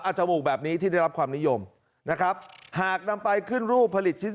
จมูกแบบนี้ที่ได้รับความนิยมนะครับหากนำไปขึ้นรูปผลิตชิ้น